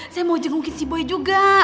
saya mau jengukin si boy juga